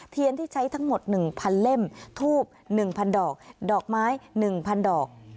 เทียนที่ใช้ทั้งหมดหนึ่งพันเล่มทูบหนึ่งพันดอกดอกไม้หนึ่งพันดอก